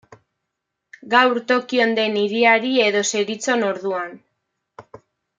Gaur Tokion den hiriari Edo zeritzon orduan.